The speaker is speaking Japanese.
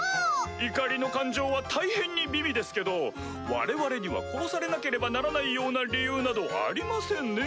怒りの感情は大変に美味ですけど我々には殺されなければならないような理由などありませんねぇ？